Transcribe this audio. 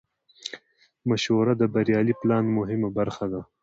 مشوره د بریالي پلان مهمه برخه ده.